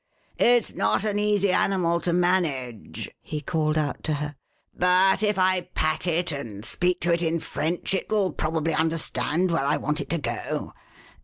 It*s not an easy animal to manage," he called out to hen but if I pat it and speak to it in French it will probably understand where I want it to go.